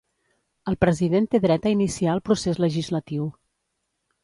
El President té dret a iniciar el procés legislatiu.